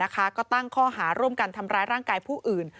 ก็ตั้งข้อหาร่วมกันทำร้ายร่างกายผู้อื่น